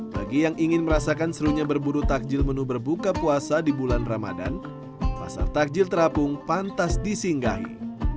bagi yang ingin merasakan serunya berburu takjil menu berbuka puasa di bulan ramadan pasar takjil terapung pantas disinggahi